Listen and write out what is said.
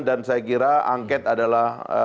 dan saya kira angket adalah